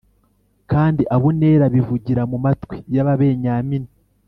Kandi Abuneri abivugira mu matwi y’Ababenyamini.